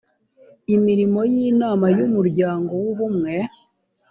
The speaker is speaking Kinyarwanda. imirimo y inama y umuryango w ubumwe